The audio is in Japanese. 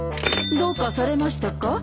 どうかされましたか？